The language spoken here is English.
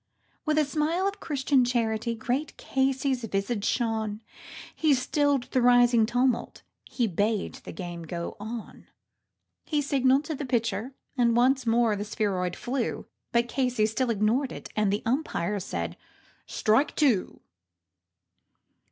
With a smile of Christian charity great Casey's visage shone, He stilled the rising tumult and he bade the game go on; He signalled to the pitcher and again the spheroid flew, But Casey still ignored it and the Umpire said "Strike two."